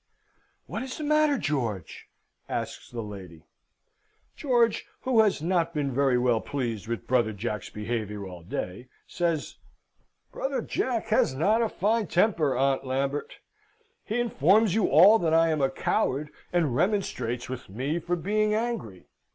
"What is the matter, George?" asks the lady. George, who has not been very well pleased with brother Jack's behaviour all day, says: "Brother Jack has not a fine temper, Aunt Lambert. He informs you all that I am a coward, and remonstrates with me for being angry.